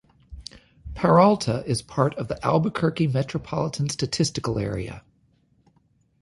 Peralta is part of the Albuquerque Metropolitan Statistical Area.